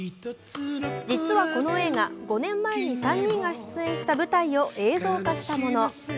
実はこの映画、５年前に３人が出演した舞台を映像化したもの。